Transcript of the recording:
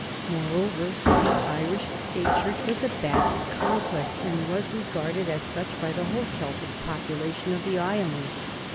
Moreover, the Irish State Church was a badge of conquest, and was regarded as such by the whole Celtic population of the island.